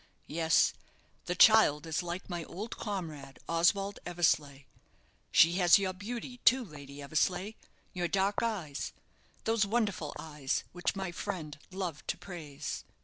Yes, the child is like my old comrade, Oswald Eversleigh. She has your beauty, too, Lady Eversleigh, your dark eyes those wonderful eyes, which my friend loved to praise."